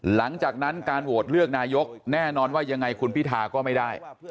หลังจากนั้นการโหวตเลือกนายกแน่นอนว่ายังไงคุณพิธาก็ไม่ได้